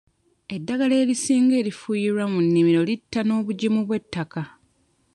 Eddagala erisinga erifuuyirwa mu nnimiro litta n'obugimu bw'ettaka.